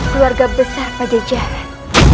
keluarga besar pajajaran